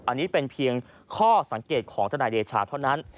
อันนี้เป็นเพียงข้อสังเกตของทนายเดชาเท่านั้น